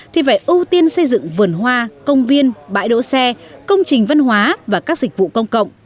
thì phải ưu tiên xây dựng vườn hoa công viên bãi đỗ xe công trình văn hóa và các dịch vụ công cộng